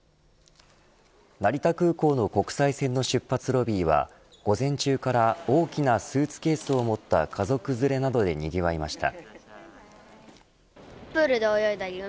成田空港の国際線の出発ロビーは午前中から大きなスーツケースを持った家族連れなどでにぎわいました。